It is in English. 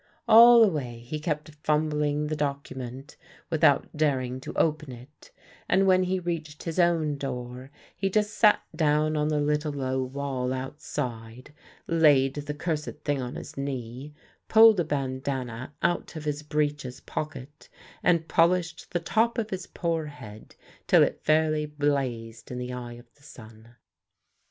All the way he kept fumbling the document without daring to open it, and when he reached his own door he just sat down on the little low wall outside, laid the cursed thing on his knee, pulled a bandanna out of his breeches pocket, and polished the top of his poor head till it fairly blazed in the eye of the sun.